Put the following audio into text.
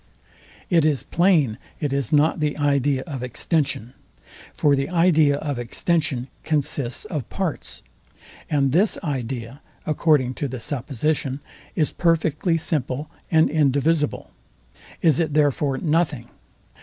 It is plain it is not the idea of extension. For the idea of extension consists of parts; and this idea, according to the supposition, is perfectly simple and indivisible. Is it therefore nothing?